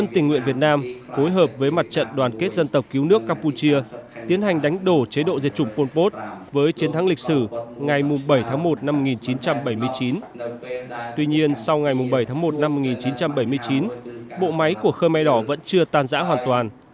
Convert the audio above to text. tuy nhiên sau ngày bảy tháng một năm một nghìn chín trăm bảy mươi chín bộ máy của khơ mê đỏ vẫn chưa tàn giã hoàn toàn